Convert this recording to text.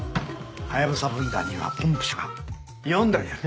ハヤブサ分団にはポンプ車が４台ある。